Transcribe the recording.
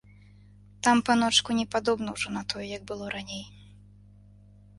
Там, паночку, не падобна ўжо на тое, як было раней.